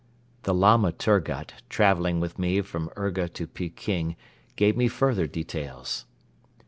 The Lama Turgut traveling with me from Urga to Peking gave me further details.